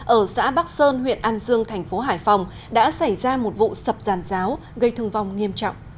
ở xã bắc sơn huyện an dương thành phố hải phòng đã xảy ra một vụ sập giàn giáo gây thương vong nghiêm trọng